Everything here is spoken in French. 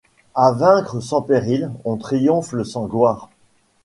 A vaincre sans péril on triomphe sans gloire.